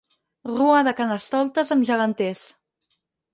Rua de carnestoltes amb geganters.